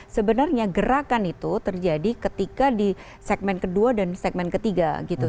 sebenarnya gerakan itu terjadi ketika di segmen kedua dan segmen ketiga gitu